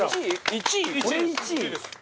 １位です１位です。